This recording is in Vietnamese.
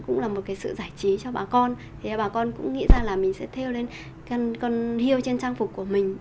cũng là một cái sự giải trí cho bà con bà con cũng nghĩ ra là mình sẽ theo lên con hiêu trên trang phục của mình